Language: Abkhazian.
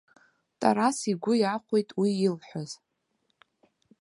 Тарас игәы иахәеит уи илҳәаз.